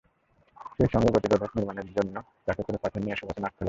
সেই সঙ্গে গতিরোধক নির্মাণের জন্য ট্রাকে করে পাথর নিয়ে এসে ঘটনাস্থলে ফেলেন।